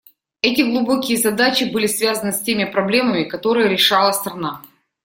Эти глубокие задачи были связаны с теми проблемами, которые решала страна.